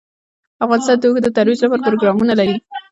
افغانستان د اوښ د ترویج لپاره پروګرامونه لري.